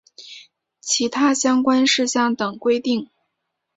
其他相关事项等规定